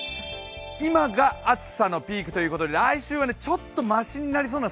今が暑さのピークということで来週はちょっとましになりそうな